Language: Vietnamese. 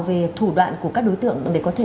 về thủ đoạn của các đối tượng để có thể